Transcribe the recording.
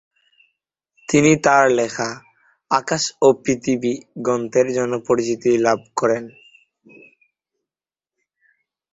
তিনি তার লেখা "আকাশ ও পৃথিবী" গ্রন্থের জন্য পরিচিত লাভ করেন।